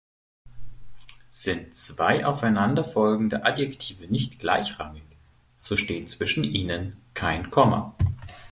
Sind zwei aufeinander folgende Adjektive nicht gleichrangig, so steht zwischen ihnen kein Komma.